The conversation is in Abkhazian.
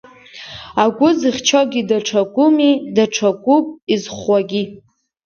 Агәы зыхьчогьы даҽа гәыми, даҽа гәуп изхәуагьы.